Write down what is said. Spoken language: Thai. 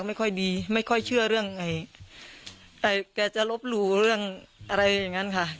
ไม่เชื่อเรื่องไงแกจะลบหลู่เรื่องอะไรอย่างนั้นค่ะ